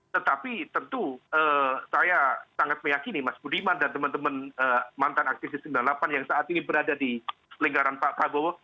tetapi tentu saya sangat meyakini mas budiman dan teman teman mantan aktivis sembilan puluh delapan yang saat ini berada di lingkaran pak prabowo